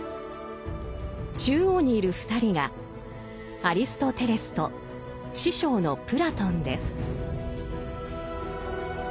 中央にいる２人がアリストテレスと師匠のプラトンです。